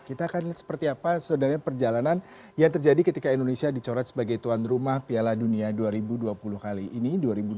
kita akan lihat seperti apa sebenarnya perjalanan yang terjadi ketika indonesia dicoret sebagai tuan rumah piala dunia dua ribu dua puluh kali ini dua ribu dua puluh